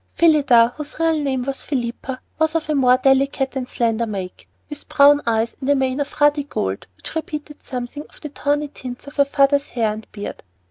Phillida, whose real name was Philippa, was of a more delicate and slender make, with dark brown eyes and a mane of ruddy gold which repeated something of the tawny tints of her father's hair and beard.